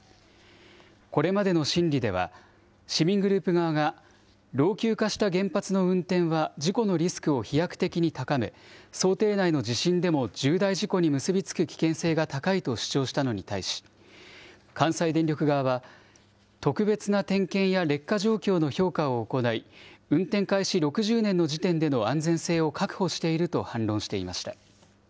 これまでの審理では、市民グループ側が老朽化した原発の運転は事故のリスクを飛躍的に高め、想定内の地震でも重大事故に結び付く危険性が高いと主張したのに対し、関西電力側は、特別な点検や劣化状況の評価を行い、運転開始６０年の時点での安全性を確保していると反論していました。